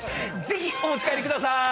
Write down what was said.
ぜひお持ち帰りくださーい！